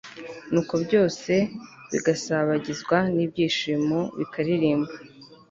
nuko byose bigasabagizwa n'ibyishimo, bikaririmba